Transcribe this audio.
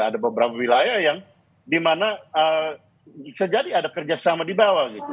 ada beberapa wilayah yang di mana sejati ada kerjasama di bawah